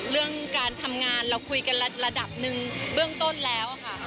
เรื่องการทำงานเราคุยกันระดับหนึ่งเบื้องต้นแล้วค่ะ